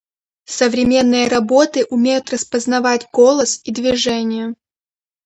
Современные роботы умеют распознавать голос и движения.